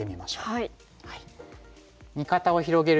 はい。